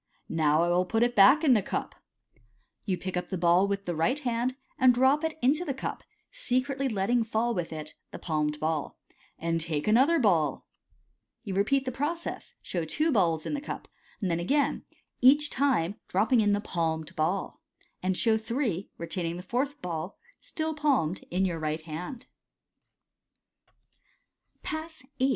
Now I will put it back in the cup " (you pick up the ball with the right hand, and drop it into the cup, secretly letting fall with it the palmed ball). »«6 MODERN MAGIC. *'*nd take another ball." You repeat the process, and show two balls ill the cap j then again (each time dropping in the palmed ball), and «how three, retaining the fourth ball, still palmed, in your right kind Pass VIII.